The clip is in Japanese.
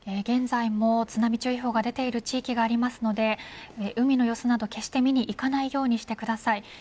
現在も津波注意報が出ている地域がありますので海の様子など決して見に行かないようにしてください。